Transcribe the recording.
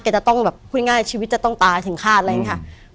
จะต้องแบบพูดง่ายชีวิตจะต้องตายถึงฆาตอะไรอย่างนี้ค่ะ